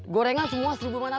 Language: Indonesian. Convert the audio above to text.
gorengan semua seribu lima ratus